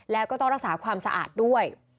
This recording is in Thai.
แล้วก็ต้องรักษาความสะอาดด้วย